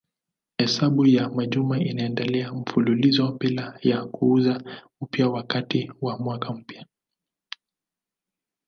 Hesabu ya majuma inaendelea mfululizo bila ya kuanza upya wakati wa mwaka mpya.